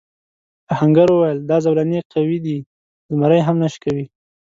آهنګر وویل دا زولنې قوي دي زمری هم نه شکوي.